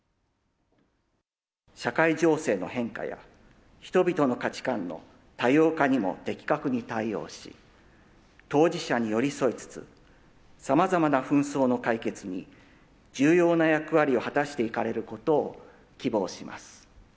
社会情勢の変化や、人々の価値観の多様化にも的確に対応し、当事者に寄り添いつつ、さまざまな紛争の解決に重要な役割を果たしていかれることを希望